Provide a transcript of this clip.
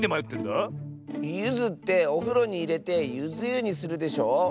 ゆずっておふろにいれてゆずゆにするでしょ？